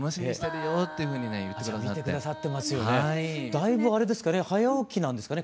だいぶあれですかね？